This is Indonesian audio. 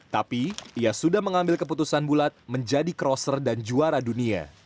tapi ia sudah mengambil keputusan bulat menjadi crosser dan juara dunia